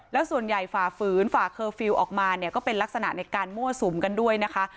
แล้วส่วนใหญ่ฝ่าฝืนฝ่าเคอร์ฟิลล์ออกมาเนี่ยก็เป็นลักษณะในการมั่วสุมกันด้วยนะคะ